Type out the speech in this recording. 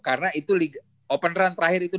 karena itu open run terakhir itu dua ribu empat belas